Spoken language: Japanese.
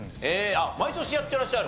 あっ毎年やってらっしゃる？